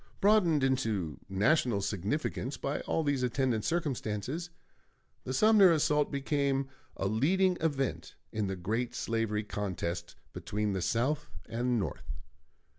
Broadened into national significance by all these attendant circumstances, the Sumner assault became a leading event in the great slavery contest between the South and North.